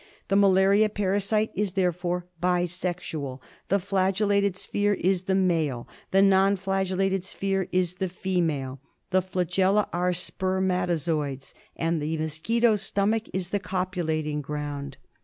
The malaria parasite is therefore bi sexual. The flagellated sphere is the male; the non flagellated sphere is the female ; the flagella are spermatozoids ; and the mosquito's stomach is the copulating ground.